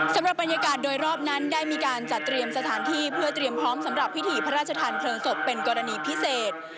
สำหรับบรรยากาศโดยรอบนั้นได้มีการจัดเตรียมสถานที่เพื่อเตรียมพร้อมสำหรับพิธีพระราชทานเพลิงศพเป็นกรณีพิเศษ